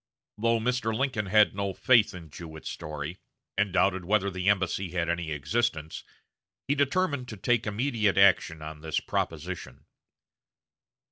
Though Mr. Lincoln had no faith in Jewett's story, and doubted whether the embassy had any existence, he determined to take immediate action on this proposition.